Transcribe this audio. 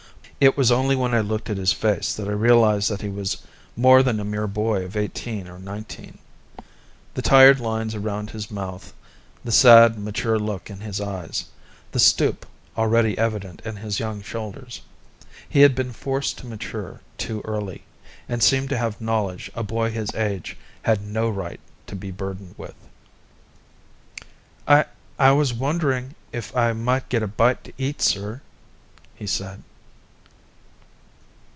It was only when I looked at his face that I realized that he was more than a mere boy of eighteen or nineteen. The tired lines around his mouth, the sad, mature look in his eyes, the stoop already evident in his young shoulders; he had been forced to mature too quickly, and seemed to have knowledge a boy his age had no right to be burdened with. "I I was wondering if I might get a bite to eat, sir," he said.